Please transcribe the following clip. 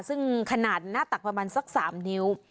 ซึ่งขนาดหน้าตักประมาณสัก๓นิ้ว